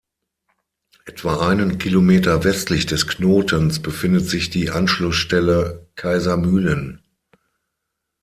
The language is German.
Etwa einen Kilometer westlich des Knotens befindet sich die Anschlussstelle Kaisermühlen.